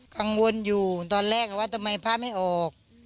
กังวลอยู่ตอนแรกว่าทำไมพระไม่ออก